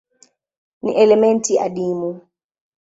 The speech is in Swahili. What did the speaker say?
Ni elementi adimu.